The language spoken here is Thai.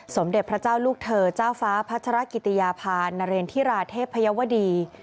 สมเด็จพระเจ้าลูกเธอเจ้าฟ้าพัชรกิติยาพานเรนธิราเทพยาวดี